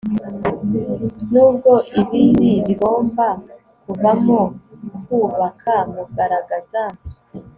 Nubwo ibibi bigomba kuvamo Kubaka Mugaragaza